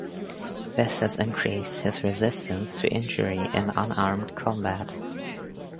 This has increased his resistance to injury in unarmed combat.